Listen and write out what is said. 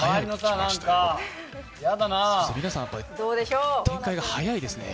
皆さん、展開が早いですね。